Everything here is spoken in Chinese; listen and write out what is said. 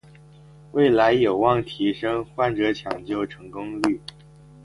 未来有望提升患者抢救成功率